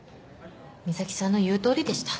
岬希さんの言うとおりでした。